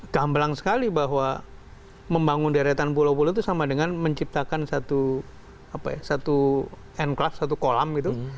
gambelang sekali bahwa membangun deretan pulau pulau itu sama dengan menciptakan satu apa ya satu enklap satu kolam gitu